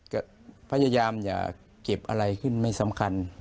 ก็พยายามอย่าเก็บอะไรขึ้นไม่สำคัญ